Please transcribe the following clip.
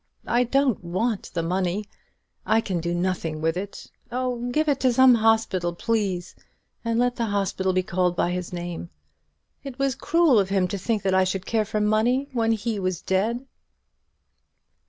I don't want the money; I can do nothing with it. Oh, give it to some hospital, please: and let the hospital be called by his name. It was cruel of him to think that I should care for money when he was dead."